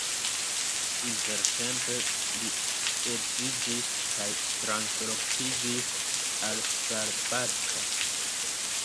Intertempe li edziĝis kaj translokiĝis al Szabadka.